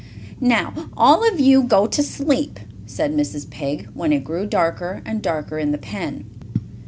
"Now all of you go to sleep," said Mrs. Pig, when it grew darker and darker in the pen.